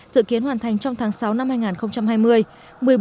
dự kiến hoàn thành trong tháng sáu năm hai nghìn hai mươi